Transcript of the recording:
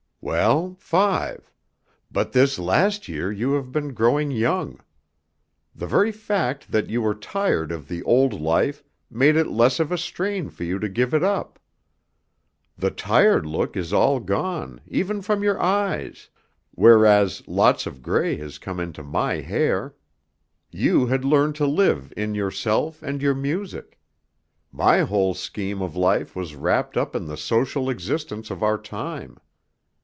"Well, five; but this last year you have been growing young. The very fact that you were tired of the old life made it less of a strain for you to give it up. The tired look is all gone, even from your eyes, whereas lots of gray has come into my hair. You had learned to live in yourself and your music. My whole scheme of life was wrapped up in the social existence of our time.